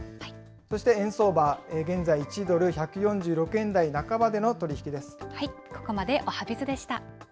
そして円相場、現在、１ドル１４６円台半ばでの取り引きです。